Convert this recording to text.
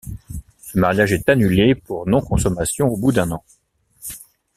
Ce mariage est annulé pour non-consommation au bout d'un an.